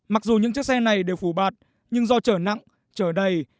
mặc dù những chiếc xe này đều phủ bạt nhưng do chở nặng chở đầy